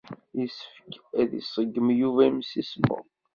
Yessefk ad iṣeggem Yuba imsismeḍ.